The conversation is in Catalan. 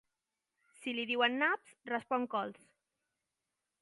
Si li diuen naps, respon cols.